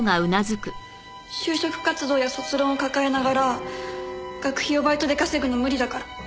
就職活動や卒論を抱えながら学費をバイトで稼ぐの無理だから。